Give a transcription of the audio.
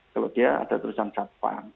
kalau dia ada terusan satpam